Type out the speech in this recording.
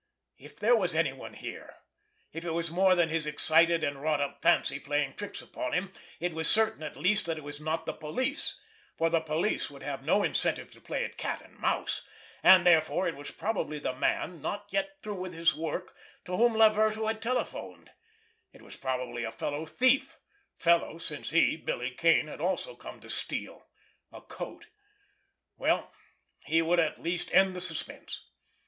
If there was anyone here, if it was more than his excited and wrought up fancy playing tricks upon him, it was certain at least that it was not the police, for the police would have no incentive to play at cat and mouse, and therefore it was probably the man, not yet through with his work, to whom Laverto had telephoned; it was probably a fellow thief, fellow since he, Billy Kane, had also come to steal—a coat. Well, he would at least end the suspense!